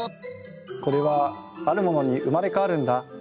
これはあるものに生まれ変わるんだ。